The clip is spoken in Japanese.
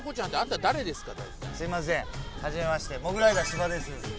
すいませんはじめましてモグライダー・芝です